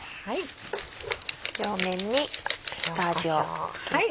両面に下味を付けて。